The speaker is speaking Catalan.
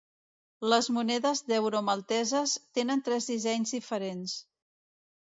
Les monedes d'euro malteses tenen tres dissenys diferents.